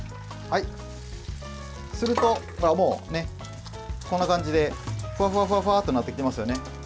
すると、こんな感じでふわふわっとなってきますよね。